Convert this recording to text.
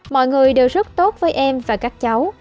mọi người đều rất tốt với em và các cháu